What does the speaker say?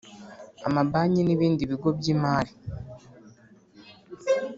Amabanki nibindi bigo byimari